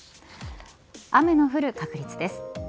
雨の降る確率です。